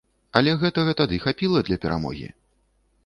Але гэтага тады хапіла для перамогі!